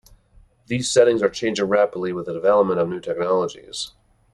These settings are changing rapidly with the development of new technologies.